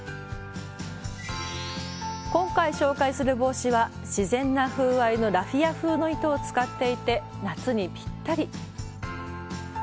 今回紹介する帽子は自然な風合いのラフィア風の糸を使っていて夏にぴったり。